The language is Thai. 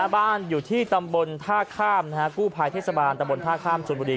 บ้านอยู่ที่ตำบลท่าข้ามกู้ภัยเทศบาลตำบลท่าข้ามชนบุรี